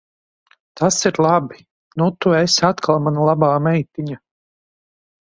Tas ir labi. Nu tu esi atkal mana labā meitiņa.